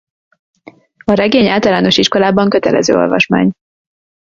A regény általános iskolában kötelező olvasmány.